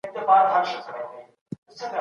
قاتل به خامخا خپله سزا وویني.